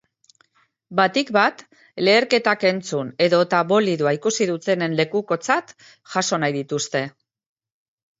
Batik bat, leherketak entzun edota bolidoa ikusi dutenen lekukotzat jaso nahi dituzte.